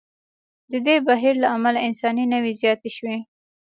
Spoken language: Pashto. د دې بهیر له امله انساني نوعې زیاتې شوې.